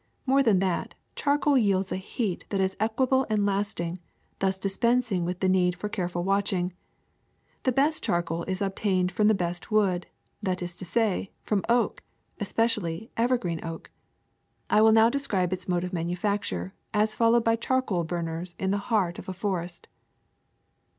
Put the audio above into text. More than that, charcoal yields a heat that is equable and lasting, thus dispensing with the need of careful watching. The best charcoal is obtained from the best wood, that is to say from oak, espe cially evergreen oak. I will now describe its mode of manufacture as followed by charcoal burners in the heart of a forest.